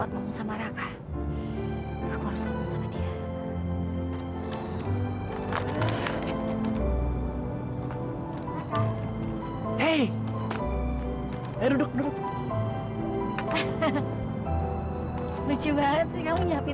susah banget sih mau ngomong aja